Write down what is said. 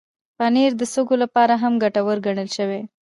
پنېر د سږو لپاره هم ګټور ګڼل شوی.